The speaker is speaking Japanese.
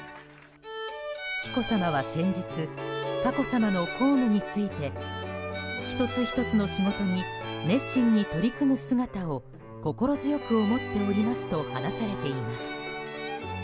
紀子さまは先日、佳子さまの公務について１つ１つの仕事に熱心に取り組む姿を心強く思っておりますと話されています。